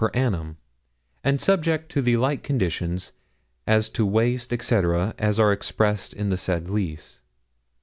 per annum, and subject to the like conditions as to waste, &c., as are expressed in the said lease.